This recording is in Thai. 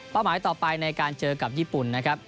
หมายต่อไปในการเจอกับญี่ปุ่นนะครับ